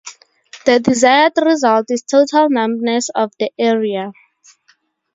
The desired result is total numbness of the area.